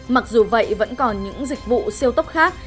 mặc dù vậy vẫn còn những dịch vụ siêu tốc khác